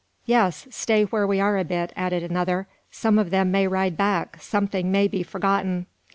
"Yes! stay where we are a bit," added another; "some of them may ride back; something may be forgotten."